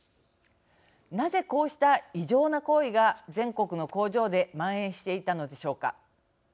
なぜ、こうした異常な行為が全国の工場でまん延していたのでしょうか。